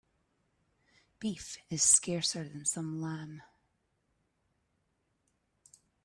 Beef is scarcer than some lamb.